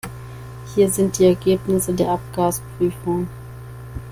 Hier sind die Ergebnisse der Abgasprüfung.